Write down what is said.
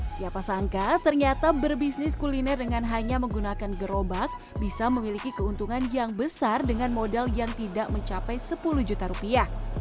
siapa sangka ternyata berbisnis kuliner dengan hanya menggunakan gerobak bisa memiliki keuntungan yang besar dengan modal yang tidak mencapai sepuluh juta rupiah